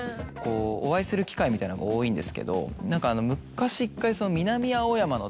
お会いする機会みたいなのが多いんですけど。